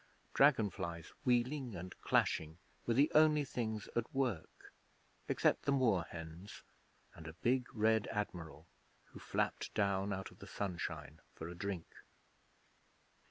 Dragonflies wheeling and clashing were the only things at work, except the moorhens and a big Red Admiral, who flapped down out of the sunshine for a drink.